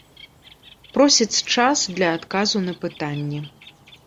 Просяць час для адказу на пытанні.